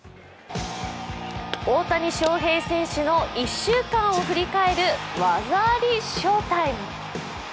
大谷翔平選手の１週間を振り返る技あり翔タイム。